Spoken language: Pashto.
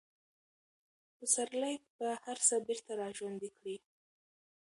پسرلی به هر څه بېرته راژوندي کړي.